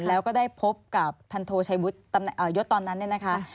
แล้วก็ได้พบกับพันโทชัยวุฒิยศตอนนั้นเนี่ยนะคะ